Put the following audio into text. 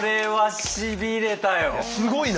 すごいな。